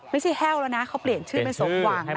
แห้วแล้วนะเขาเปลี่ยนชื่อเป็นสมหวังนะ